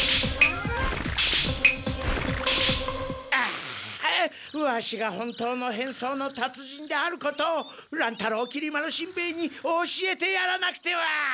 あワシが本当の変装のたつ人であることを乱太郎きり丸しんべヱに教えてやらなくては！